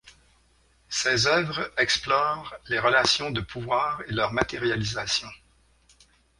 Ses œuvres explorent les relations de pouvoir et leurs matérialisations.